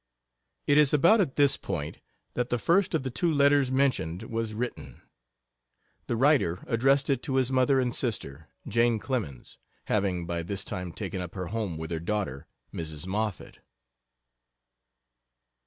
It is about at this point that the first of the two letters mentioned was written. The writer addressed it to his mother and sister Jane Clemens having by this time taken up her home with her daughter, Mrs. Moffett.